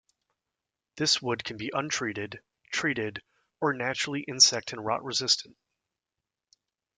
This wood can be untreated, treated, or naturally insect and rot resistant.